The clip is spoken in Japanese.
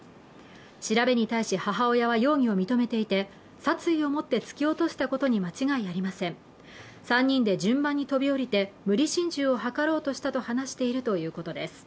調べに対し、母親は容疑を認めていて殺意を持って突き落としたことに間違いありません、３人で順番に飛び降りて無理心中を図ろうとしたと話しているということです。